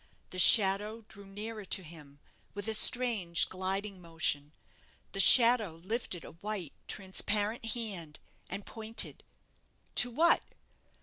The shadow drew nearer to him, with a strange gliding motion. The shadow lifted a white, transparent hand, and pointed. To what?